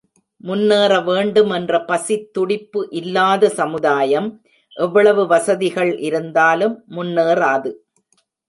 முன்னேற வேண்டும் என்ற பசித்துடிப்பு இல்லாத சமுதாயம் எவ்வளவு வசதிகள் இருந்தாலும் முன்னேறாது.